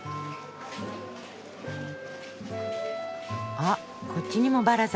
あっこっちにもバラザ。